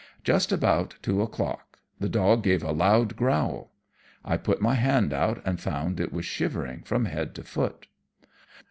Just about two o'clock the dog gave a loud growl. I put my hand out and found it was shivering from head to foot.